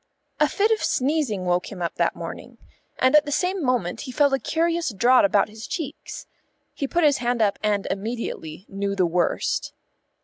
A fit of sneezing woke him up that morning, and at the same moment he felt a curious draught about his cheeks. He put his hand up and immediately knew the worst.